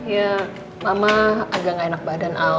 ya mama agak gak enak badan al